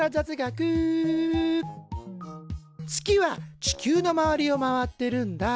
月は地球の周りを回ってるんだ。